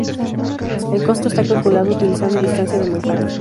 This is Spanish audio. El costo está calculado utilizando distancia de Manhattan.